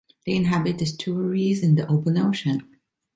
They inhabit estuaries and the open ocean.